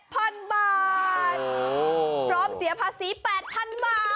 พร้อมเสียภาษี๘๐๐๐บาท